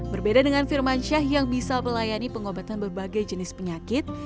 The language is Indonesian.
berbeda dengan firmansyah yang bisa melayani pengobatan berbagai jenis penyakit